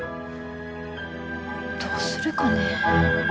どうするかね。